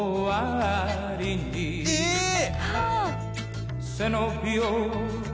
えっ！